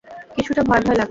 কিছুটা ভয় ভয় লাগছে!